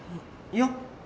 いや